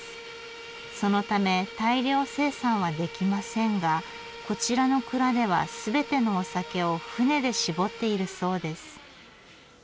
そのため大量生産はできませんがこちらの蔵では全てのお酒を槽で搾っているそうです。